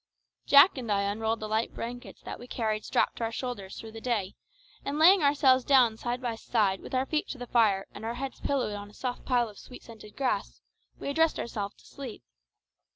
Jack and I unrolled the light blankets that we carried strapped to our shoulders through the day, and laying ourselves down side by side with our feet to the fire and our heads pillowed on a soft pile of sweet scented grass, we addressed ourselves to sleep.